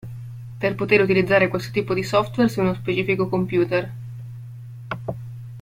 Per poter utilizzare questo tipo di software su uno specifico computer.